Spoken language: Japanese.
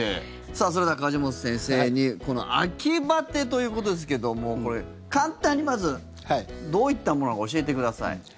さあ、それでは梶本先生にこの秋バテということですけどもこれ、簡単にまずどういったものか教えてください。